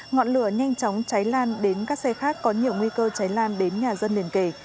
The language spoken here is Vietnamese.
ngọn lửa nhanh chóng cháy lan đến các xe khác có nhiều nguy cơ cháy lan đến nhà dân liền kể